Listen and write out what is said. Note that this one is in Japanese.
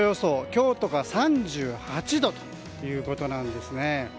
京都が３８度ということです。